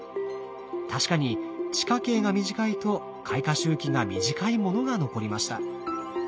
確かに地下茎が短いと開花周期が短いものが残りました。